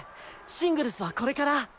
シングルスはこれから。